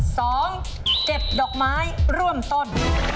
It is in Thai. เก็บดอกไม้ร่วมต้น